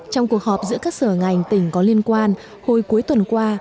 trong cuộc họp giữa các sở ngành tỉnh có liên quan hồi cuối tuần qua